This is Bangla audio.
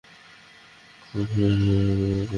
কাজে যাবে না?